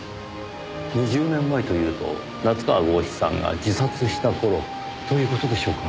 ２０年前というと夏河郷士さんが自殺した頃という事でしょうか？